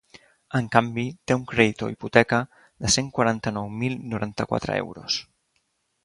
En canvi, té un crèdit o hipoteca de cent quaranta-nou mil noranta-quatre euros.